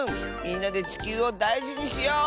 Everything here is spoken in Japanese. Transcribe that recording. みんなでちきゅうをだいじにしよう。